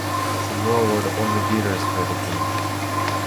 Samoa were the only bidders for the Games.